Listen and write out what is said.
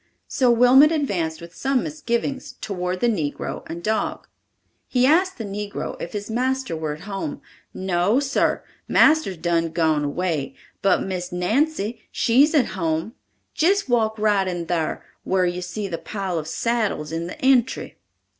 So Wilmot advanced with some misgivings toward the negro and dog. He asked the negro if his master were at home. "No, sar, marster's done gone away, but Miss Nancy, she's at home. Jist walk right in thar, whar you see the pile of saddles in the entry."